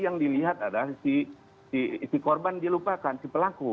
yang dilihat adalah si korban dilupakan si pelaku